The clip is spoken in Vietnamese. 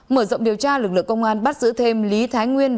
mở rộng điều tra lực lượng công an bắt giữ thêm lý thái nguyên